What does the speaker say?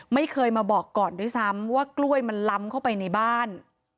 ไม่เคยมาบอกก่อนด้วยซ้ำว่ากล้วยมันล้ำเข้าไปในบ้าน